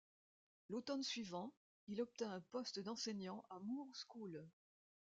L’automne suivant, il obtint un poste d’enseignant à Moore School.